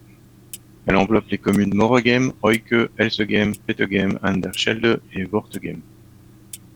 Elle enveloppe les communes Moregem, Ooike, Elsegem, Petegem-aan-de-Schelde et Wortegem.